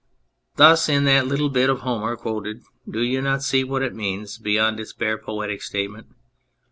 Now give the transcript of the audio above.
Thus in that little bit of Homer quoted, do you not see what it means beyond its bare poetic state ment